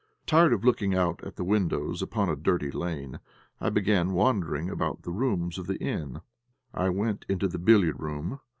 Tired of looking out at the windows upon a dirty lane, I began wandering about the rooms of the inn. I went into the billiard room.